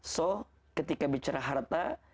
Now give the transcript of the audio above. jadi ketika bicara harta